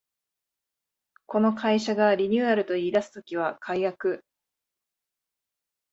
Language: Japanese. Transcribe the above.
この会社がリニューアルと言いだす時は改悪